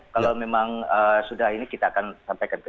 kalau memang sudah ini kita akan sampaikan ke